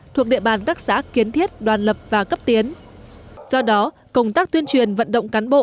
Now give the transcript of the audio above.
thuộc địa bàn các xã kiến thiết đoàn lập và cấp tiến do đó công tác tuyên truyền vận động cán bộ